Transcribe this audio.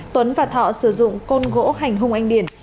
tuấn và thọ sử dụng côn gỗ hành hung anh điển